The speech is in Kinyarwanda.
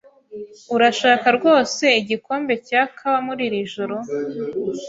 Urashaka rwose igikombe cya kawa muri iri joro?